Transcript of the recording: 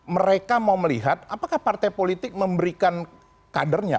mereka mau melihat apakah partai politik memberikan kadernya